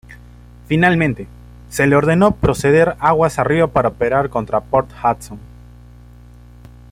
Finalmente, se le ordenó proceder aguas arriba para operar contra Port Hudson.